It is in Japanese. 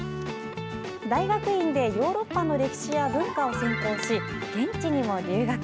大学院でヨーロッパの歴史や文化を専攻し現地にも留学。